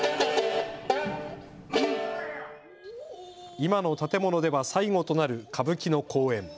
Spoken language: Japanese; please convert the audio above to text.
今の建物では最後となる歌舞伎の公演。